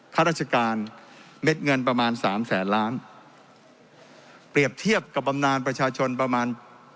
ข้าราชการเม็ดเงินประมาณสามแสนล้านเปรียบเทียบกับบำนานประชาชนประมาณ